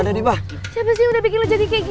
jadi kayak gini